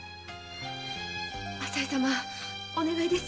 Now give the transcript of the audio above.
浅井様お願いです。